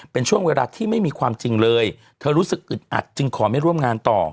เป็นช่วงเวลาที่ไม่มีความจริงเลยเธอรู้สึกอึดอัดจึงขอไม่ร่วมงานต่อ